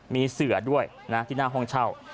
มีเสือด้วยนะที่หน้าห้องเช่า